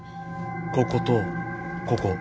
こことここ。